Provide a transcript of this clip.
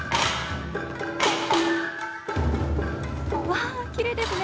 うわきれいですね。